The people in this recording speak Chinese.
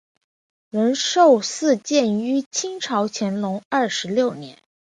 仁寿寺建于清朝乾隆二十六年。